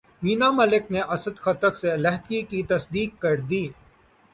وینا ملک نے اسد خٹک سے علیحدگی کی تصدیق کردی